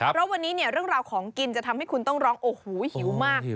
เพราะวันนี้เนี่ยเรื่องราวของกินจะทำให้คุณต้องร้องโอ้โหหิวมาก